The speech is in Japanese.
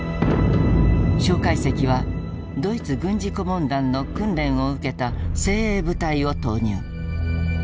蒋介石はドイツ軍事顧問団の訓練を受けた精鋭部隊を投入。